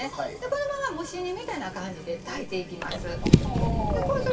このまま蒸し煮みたいな感じで炊いていきます。